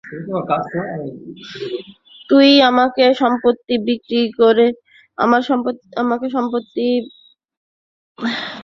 তুই আমাকে সম্পত্তি বিক্রি করেছিস এটা দাবি করে যে এটির অনেক দাম বাড়বে।